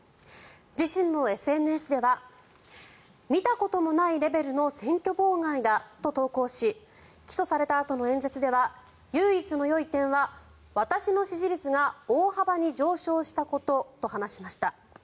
自身のＳＮＳでは見たこともないレベルの選挙妨害だと投稿し起訴されたあとの演説では唯一のよい点は私の支持率が大幅に上昇したことと話しました。